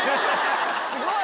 すごい！